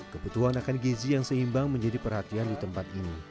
kebutuhan akan gizi yang seimbang menjadi perhatian di tempat ini